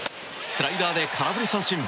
スライダーで空振り三振！